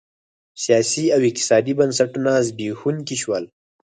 سیاسي او اقتصادي بنسټونه زبېښونکي شول